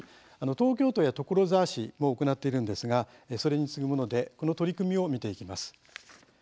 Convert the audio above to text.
東京都や所沢市も行っているんですがそれに次ぐものでこの取り組みを見ていきます。